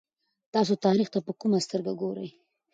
تاسو تاریخ ته په کومه سترګه ګورئ؟